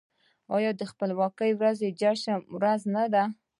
آیا د خپلواکۍ ورځ د جشن ورځ نه ده؟